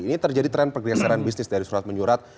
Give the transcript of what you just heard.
ini terjadi tren pergeseran bisnis dari surat menyurat